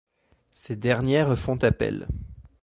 Ces dernières font appel.